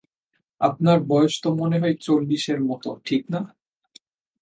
আপনার বয়স তো মনে হয় চল্লিশের মতো, ঠিক না?